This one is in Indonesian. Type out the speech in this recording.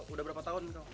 udah berapa tahun